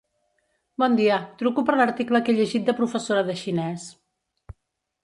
Bon dia, truco per l'article que he llegit de professora de xinès.